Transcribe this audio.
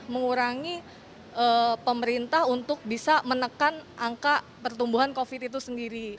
mengurangi pemerintah untuk bisa menekan angka pertumbuhan covid itu sendiri